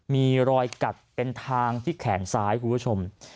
มีรอยกัดเป็นทางที่แขนซ้ายคุณผู้ชม